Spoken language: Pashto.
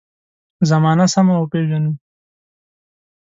زمانه سمه وپېژنو.